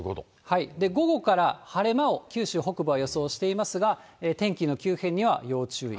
午後から晴れ間を、九州北部は予想していますが、天気の急変には要注意。